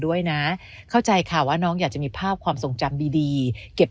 ด้วยนะเข้าใจค่ะว่าน้องอยากจะมีภาพความทรงจำดีดีเก็บ